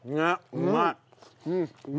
うまい！